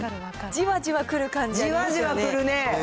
じわじわくるね。